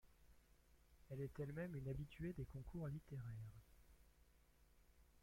Elle est elle-même une habituée des concours littéraires.